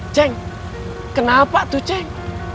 ceng kenapa tuh ceng